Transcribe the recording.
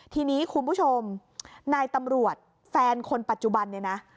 ทีนี้คุณผู้ชมนายตำรวจแฟนคนปัจจุบันเนี่ยนะ